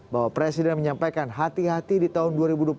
bahwa presiden menyampaikan hati hati di tahun dua ribu dua puluh empat